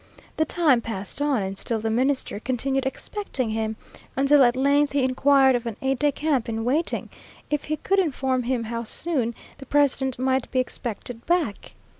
The time passed on, and still the Minister continued expecting him, until at length he inquired of an aide de camp in waiting, if he could inform him how soon the president might be expected back.